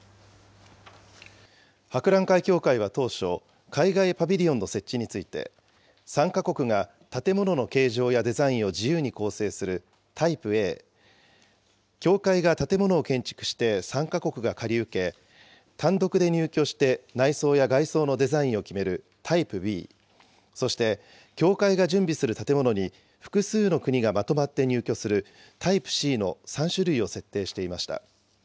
博覧会協会は当初、海外パビリオンの設置について、参加国が建物の形状やデザインを自由に構成するタイプＡ、協会が建物を建築して、参加国が借り受け、単独で入居して内装や外装のデザインを決めるタイプＢ、そして協会が準備する建物に複数の国がまとまって入居するタイプＣの３種類を設定していました。